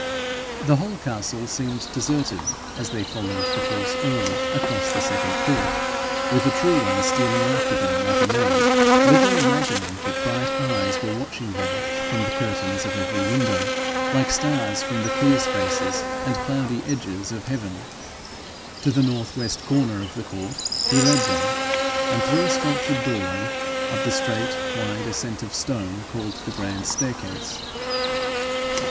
The whole castle seemed deserted as they followed the false earl across the second court with the true one stealing after them like a knave little imagining that bright eyes were watching them from the curtains of every window like stars from the clear spaces and cloudy edges of heaven. To the north west corner of the court he led them, and through a sculptured doorway up the straight wide ascent of stone called the grand staircase.